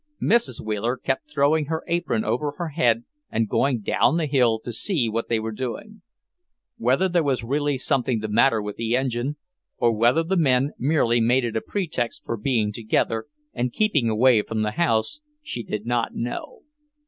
Mrs. Wheeler kept throwing her apron over her head and going down the hill to see what they were doing. Whether there was really something the matter with the engine, or whether the men merely made it a pretext for being together and keeping away from the house, she did not know.